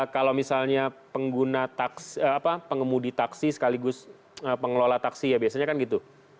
kalau misalnya pengguna pengemudi taksi sekaligus pengelola taksi ya biasanya kan gitu